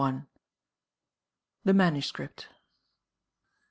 THE MANUSCRIPT.